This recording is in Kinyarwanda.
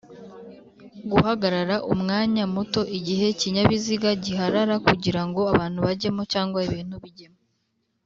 Guhagarara umwanya mutoIgihe ikinyabiziga giharara kugira ngo abantu bajyemo cg ibintu bijyemo